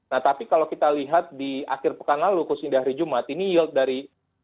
nah tapi kalau kita lihat di akhir pekan lalu khususnya di hari jumat ini yield dari